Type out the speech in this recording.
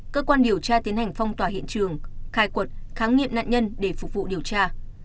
cơ quan điều tra tiến hành phong tỏa hiện trường khai quật kháng nghiệm nạn nhân để phục vụ điều tra